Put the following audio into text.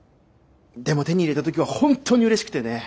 でも手に入れた時は本当にうれしくてね